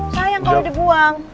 sayang kalau dibuang